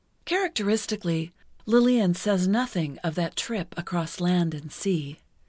Characteristically, Lillian says nothing of that trip across land and sea.